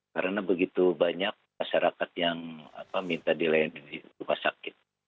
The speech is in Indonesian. karena begitu banyak masyarakat yang minta dilayani rumah sakit